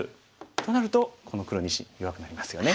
となるとこの黒２子弱くなりますよね。